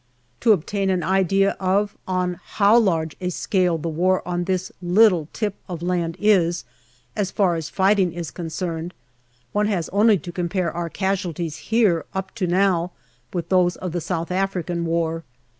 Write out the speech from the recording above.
To obtain an idea of on how large a scale the war on this little tip of land is, as far as fighting is concerned, one has only to compare our casualties here up to now with those of the South African War.